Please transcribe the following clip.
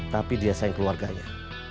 tapi dia sayang keluarganya